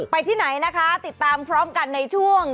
ที่ไหนนะคะติดตามพร้อมกันในช่วง